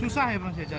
susah ya proses jaringan